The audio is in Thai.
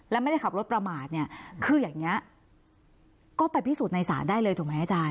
และไม่ได้ขับรถประมาทเนี่ยคืออย่างนี้ก็ไปพิสูจน์ในศาลได้เลยถูกไหมอาจารย์